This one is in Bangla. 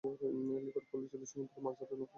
লিভারপুল ছিল সমুদ্রে মাছ ধরার নৌকার নিবন্ধিত বন্দর।